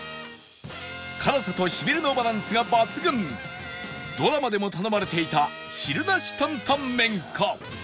辛さとシビれのバランスが抜群ドラマでも頼まれていた汁なし担々麺か